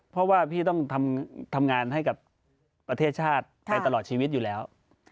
เพราะว่าพี่ต้องทำงานให้กับประเทศชาติไปตลอดชีวิตอยู่แล้ว